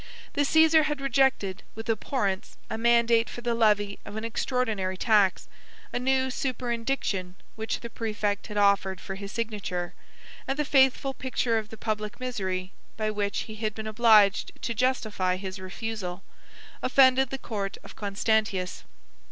The Cæsar had rejected, with abhorrence, a mandate for the levy of an extraordinary tax; a new superindiction, which the præfect had offered for his signature; and the faithful picture of the public misery, by which he had been obliged to justify his refusal, offended the court of Constantius.